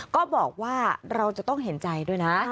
ก็บอกว่าเราจะต้องเห็นใจด้วยนะ